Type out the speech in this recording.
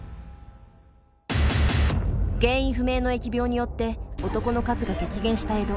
原因不明の疫病によって男の数が激減した江戸。